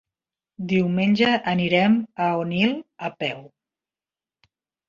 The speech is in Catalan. Diumenge anirem a Onil a peu.